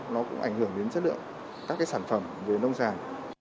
nó cũng ảnh hưởng đến chất lượng các cái sản phẩm về nông sản